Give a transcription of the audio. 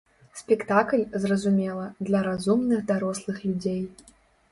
Спектакль, зразумела, для разумных дарослых людзей.